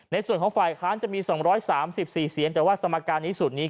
ในส่วนของฝ่ายค้านจะมี๒๓๔เสียงแต่ว่าสมการนี้สูตรนี้